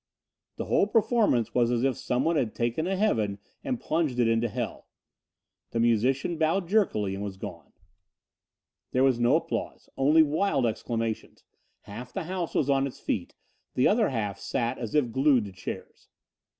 The whole performance was as if someone had taken a heaven and plunged it into a hell. The musician bowed jerkily, and was gone. There was no applause, only wild exclamations. Half the house was on its feet. The other half sat as if glued to chairs.